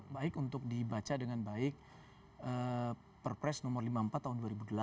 baik untuk dibaca dengan baik perpres nomor lima puluh empat tahun dua ribu delapan